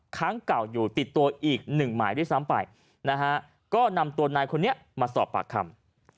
ครั้งเก่าอยู่ติดตัวอีกหนึ่งหมายด้วยซ้ำไปนะฮะก็นำตัวนายคนนี้มาสอบปากคำ